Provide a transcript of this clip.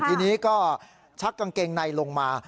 ทีนี้ก็ชักเกงไนท์ลงมา